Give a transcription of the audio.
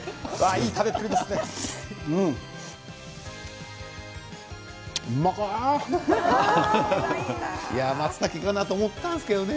いい食べっぷりですね。